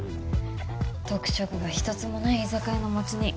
特色が一つもない居酒屋のもつ煮。